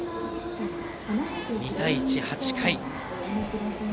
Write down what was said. ２対１で８回。